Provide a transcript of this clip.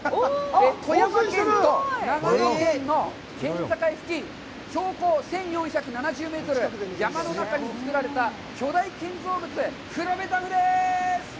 富山県と長野県の県境付近、標高１４７０メートル、山の中に造られた巨大建造物、黒部ダムです。